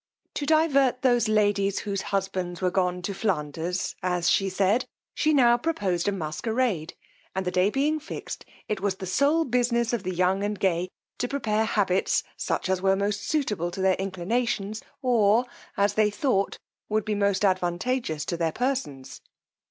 To divert those ladies whose husbands were gone to Flanders, as she said, she now proposed a masquerade; and the day being fixed, it was the sole business of the young and gay to prepare habits such as were most suitable to their inclinations, or, as they thought, would be most advantageous to their persons.